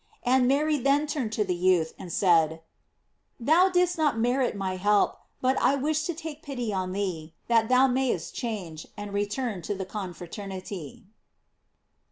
And Mary then turned to the youth, and said: "Thou didst not merit my help, but I wish to take pity on thee, that thou mayest change, and return to the confraternity."